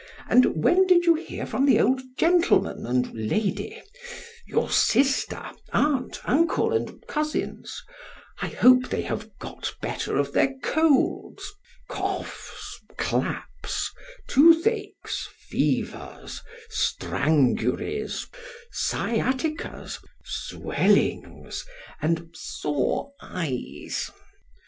and when did you hear from the old gentleman and lady—your sister, aunt, uncle, and cousins——I hope they have got better of their colds, coughs, claps, tooth aches, fevers, stranguries, sciaticas, swellings, and sore eyes.